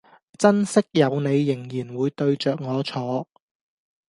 珍惜有你仍然會對著我坐